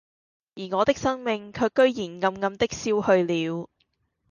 而我的生命卻居然暗暗的消去了，